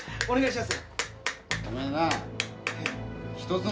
お願いしやす。